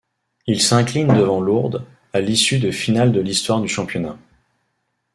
Ils s'inclinent devant Lourdes, à l'issue de finales de l'histoire du Championnat.